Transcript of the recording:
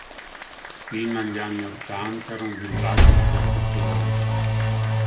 Fino agli anni ottanta era un villaggio di pescatori.